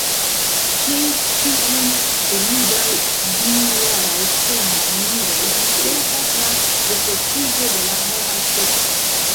Ĉe tiuj solidaj dumiljaraj ŝtonaj muroj impresas la refortiĝo de la homaj kredoj.